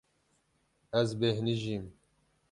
Ez bêhnijîm.